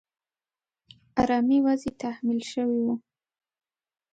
آرامي وضعې تحمیل شوې وه.